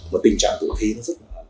mà tình trạng của khi nó rất